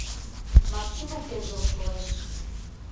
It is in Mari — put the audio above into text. Максим воктенже ошкылеш.